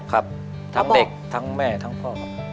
ครับทั้งเด็กทั้งแม่ทั้งพ่อครับ